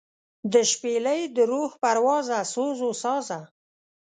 دشپیلۍ دروح پروازه سوزوسازه